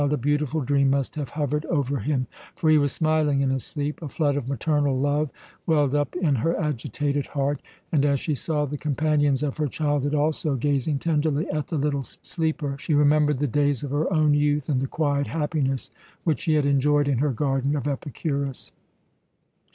A beautiful dream must have hovered over him, for he was smiling in his sleep. A flood of maternal love welled up in her agitated heart, and, as she saw the companions of her childhood also gazing tenderly at the little steeper, she remembered the days of her own youth, and the quiet happiness which she had enjoyed in her garden of Epicurus.